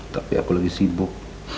tapi aku lagi sibuk